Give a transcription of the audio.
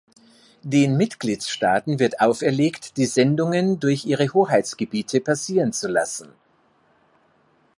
Den Mitgliedstaaten wird auferlegt, die Sendungen durch ihre Hoheitsgebiete passieren zu lassen.